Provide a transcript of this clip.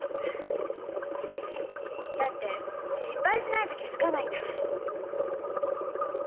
だって失敗しないと気付かないんだもん。